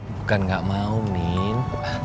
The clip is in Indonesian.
bukan gak mau min